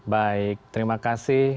baik terima kasih